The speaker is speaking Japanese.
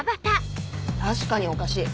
確かにおかしい。